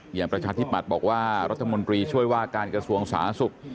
อย่างประชาธิบัติบอกว่ารัฐมนตรีช่วยว่าการกระทรวงสาศุกร์